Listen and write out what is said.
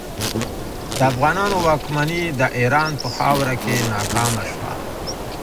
د افغانانو واکمني د ایران په خاوره کې ناکامه شوه.